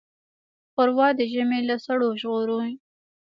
ښوروا د ژمي له سړو ژغوري.